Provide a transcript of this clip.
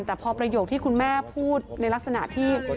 แต่พอประโยคที่คุณแม่พูดในลักษณะที่